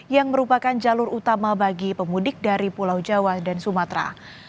yang merupakan jalur utama bagi pemudik dari pulau jawa dan sumatera